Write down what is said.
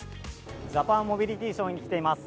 ジャパンモビリティーショーに来ています。